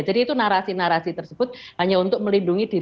jadi itu narasi narasi tersebut hanya untuk melindungi